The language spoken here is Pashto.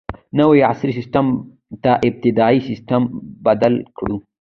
نوي عصري سیسټم ته ابتدايي سیسټم بدل کړو.